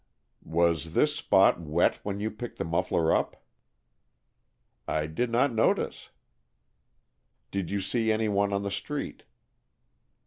"Was this spot wet when you picked the muffler up?" "I did not notice." "Did you see any one on the street?"